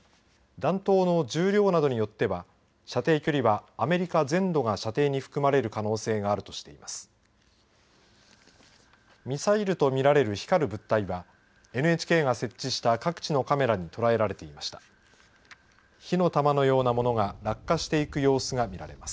弾頭の重量などによっては射程距離はアメリカ全土が射程に含まれる可能性があるとしています。